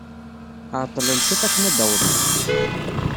Ɛeḍḍlen cwiṭ akken ad d-awḍen.